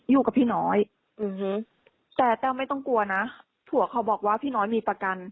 อยู่กับพี่น้อยอืมแต่แต้วไม่ต้องกลัวนะผัวเขาบอกว่าพี่น้อยมีประกัน